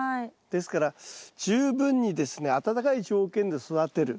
ですから十分にですね暖かい条件で育てる。